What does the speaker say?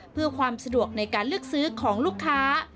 เพื่อความสะดวกในการเลือกซื้อของลูกค้า